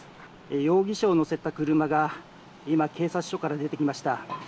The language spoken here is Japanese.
容疑者を乗せた車が今、警察署から出てきました。